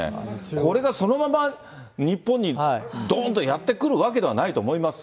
これがそのまま日本にどーんとやって来るわけではないと思います